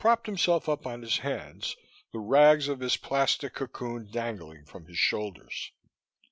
He propped himself up on his hands, the rags of his plastic cocoon dangling from his shoulders.